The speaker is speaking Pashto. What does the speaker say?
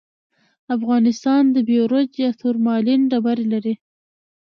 افغانستان د بیروج یا تورمالین ډبرې لري.